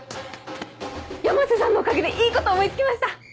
山瀬さんのおかげでいいこと思い付きました！